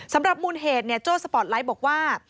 สำหรับมูลเหตุโจ้สปอร์ตไลท์บอกว่า